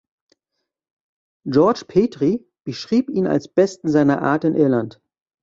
George Petrie beschrieb ihn als Besten seiner Art in Irland.